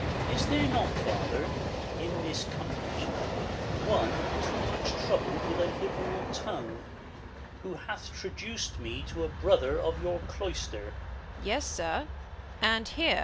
Duke. Is there not, father, in this company One too much troubl'd with a lib'ral tongue, AVho hath traduc'd me to a brother of Your cloister % Fri.